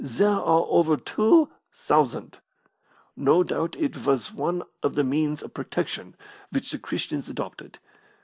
"There are over two thousand. No doubt it was one of the means of protection which the Christians adopted.